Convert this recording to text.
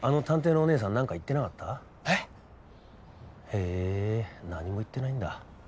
へぇ何も言ってないんだ。